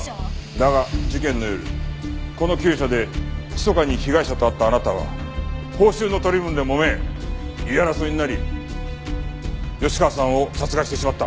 だが事件の夜この厩舎でひそかに被害者と会ったあなたは報酬の取り分でもめ言い争いになり吉川さんを殺害してしまった。